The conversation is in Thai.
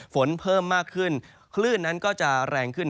ฝนเพิ่มมากขึ้นคลื่นนั้นก็จะแรงขึ้น